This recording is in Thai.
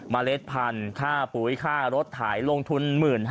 เล็ดพันธุ์ค่าปุ๋ยค่ารถถ่ายลงทุน๑๕๐๐